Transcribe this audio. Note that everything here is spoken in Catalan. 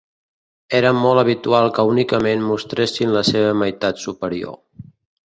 Era molt habitual que únicament mostressin la seva meitat superior.